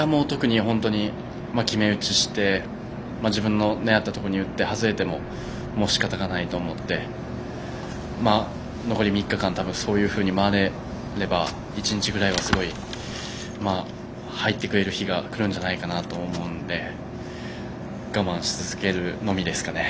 決め打ちして自分の狙ったところに打って外れてもしかたがないと思って残り３日間そういうふうに回れれば１日ぐらいすごい入ってくれる日が来るんじゃないかと思うので我慢し続けるのみですかね。